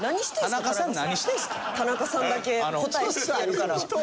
田中さんだけ答え知ってるから。